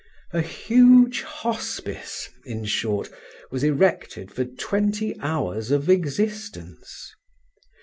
A huge hospice, in short, was erected for twenty hours of existence.